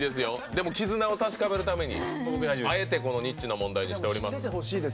絆を確かめるためにあえてニッチな問題にしています。